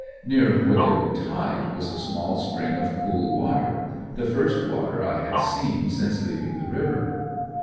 Near where they were tied was a small spring of cool water; the first water I had seen since leaving the river.